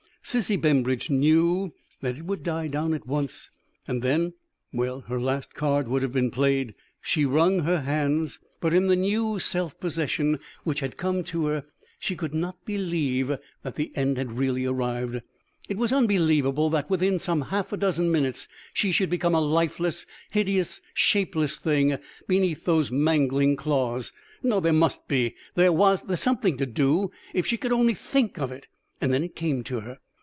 Sissy Bembridge knew that it would die down at once, and then well, her last card would have been played. She wrung her hands, but in the new self possession which had come to her, she could not believe that the end had really arrived. It was unbelievable that within some half a dozen minutes she should become a lifeless, hideous, shapeless thing beneath those mangling claws. No, there must be there was something to do, if she could only think of it. And then it came to her.